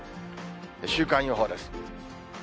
週間予報です。